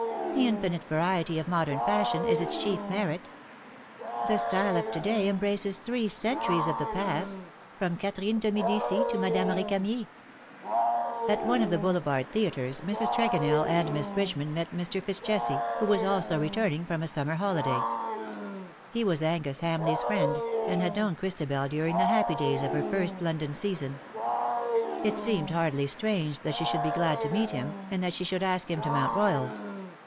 The infinite variety of modern fashion is its chief merit. The style of to day embraces three centuries of the past, from Catherine de Medicis to Madame Recamier.^^ At one of the Boulevard theatres Mrs. Tregonell aud Miss Bridgeman met Mr. FitzJesse, who was also returning from a summer holiday. He was Angus Hamleigh's friend, and had known Christabel during the happy days of her first London season. It seemed hardly strange that she should be glad to meet him, and that she should ask him to Mount Royal.